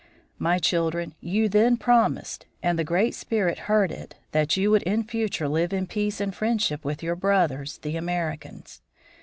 "My children, you then promised, and the Great Spirit heard it, that you would in future live in peace and friendship with your brothers, the Americans.